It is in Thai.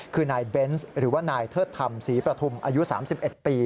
คือนายเบนส์หรือว่านายเทิดธรรมศรีประทุมอายุ๓๑ปี